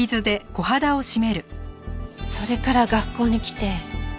それから学校に来て。